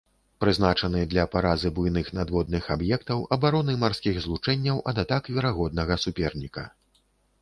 Прызначаны для паразы буйных надводных аб'ектаў, абароны марскіх злучэнняў ад атак верагоднага суперніка.